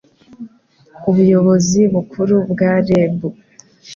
ubuyobozi bukuru bwa reb